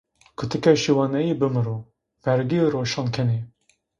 Kutikê şiwaneyî bimiro, vergî roşan kenê